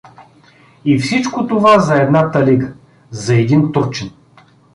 И всичко това за една талига, за един турчин!